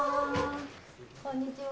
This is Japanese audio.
こんにちは。